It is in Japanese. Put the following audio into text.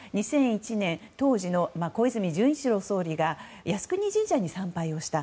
２００１年、当時の小泉純一郎総理が靖国神社に参拝をした。